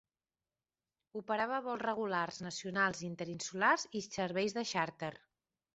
Operava vols regulars nacionals i interinsulars i serveis de xàrter.